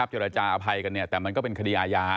เจรจาอภัยกันแต่มันก็เป็นคดีอาญา